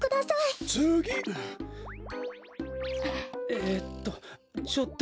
えっと。